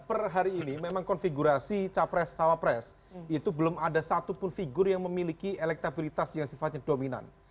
per hari ini memang konfigurasi capres cawapres itu belum ada satupun figur yang memiliki elektabilitas yang sifatnya dominan